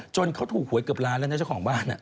เขาถูกหวยเกือบล้านแล้วนะเจ้าของบ้าน